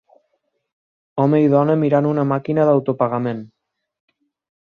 Home i dona mirant una màquina d'autopagament.